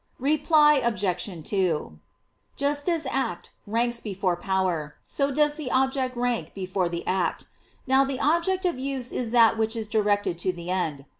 Reply Obj. 2: Just as act ranks before power, so does the object rank before the act. Now the object of use is that which is directed to the end.